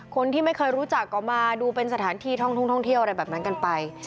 คนที่ไม่เคยรู้จักก็มาดูเป็นสถานที่ท่องเที่ยวอะไรแบบนั้นกันไป